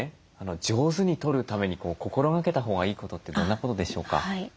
上手にとるために心がけたほうがいいことってどんなことでしょうか？